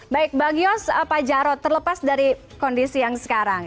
baik bang yos pak jarod terlepas dari kondisi yang sekarang